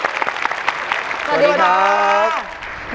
สวัสดีครับ